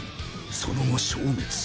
その後消滅。